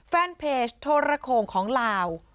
แฟนเพจโทรโขงของลาว